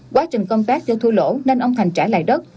quá trình công tác do thua lỗ nên ông thành trả lại đất